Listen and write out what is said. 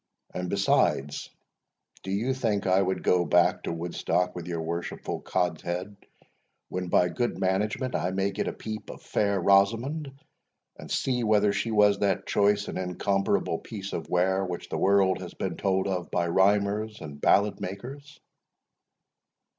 and, besides, do you think I would go back to Woodstock with your worshipful cods head, when, by good management, I may get a peep of fair Rosamond, and see whether she was that choice and incomparable piece of ware, which the world has been told of by rhymers and ballad makers?"